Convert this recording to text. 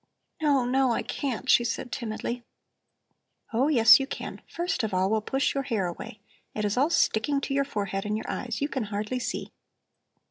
"No, no, I can't," she said timidly. "Oh, yes, you can. First of all, we'll push your hair away. It is all sticking to your forehead and your eyes; you can hardly see."